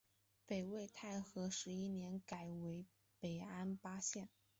北魏太和十一年改为北安邑县。